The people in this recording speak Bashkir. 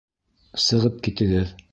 Сығып китегеҙ!